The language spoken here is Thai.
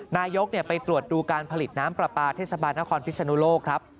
นายกไปตรวจดูการผลิตน้ำปลาปลาเทศบาลนครพิศนุโลกครับ